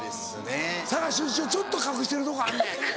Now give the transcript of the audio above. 佐賀出身をちょっと隠してるとこあんねん。